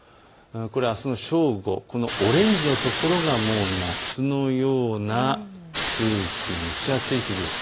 これはあすの正午オレンジの所がもう夏のような空気、蒸し暑い空気です。